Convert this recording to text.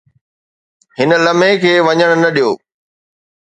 هن لمحي کي وڃڻ نه ڏيو